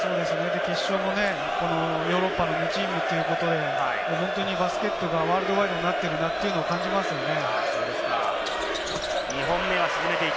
決勝もヨーロッパの２チームということで、本当にバスケットがワールドワイドになっているなと感じますね。